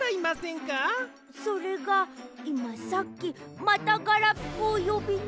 それがいまさっきまたガラピコをよびに。